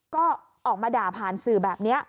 ก็ออกมาด่าผ่านสื่อแบบนี้